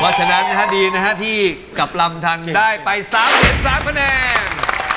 เพราะฉะนั้นดีนะฮะที่กลับลำทันได้ไป๓๓คะแนน